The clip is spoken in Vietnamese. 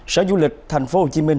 sở du lịch tp hcm